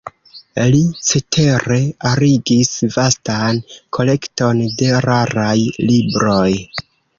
Li cetere arigis vastan kolekton de raraj libroj.